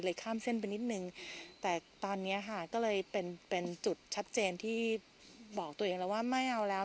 ข้ามเส้นไปนิดนึงแต่ตอนเนี้ยค่ะก็เลยเป็นเป็นจุดชัดเจนที่บอกตัวเองแล้วว่าไม่เอาแล้ว